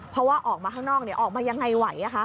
เพราะว่าออกมาข้างนอกเนี่ยออกมายังไงไหวอ่ะคะ